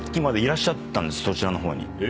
そちらの方に。